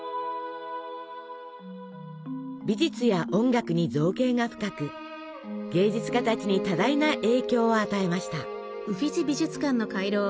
美術や音楽に造詣が深く芸術家たちに多大な影響を与えました。